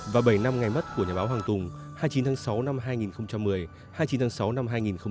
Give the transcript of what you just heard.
và bảy năm ngày mất của nhà báo hoàng tùng hai mươi chín tháng sáu năm hai nghìn một mươi hai mươi chín tháng sáu năm hai nghìn một mươi chín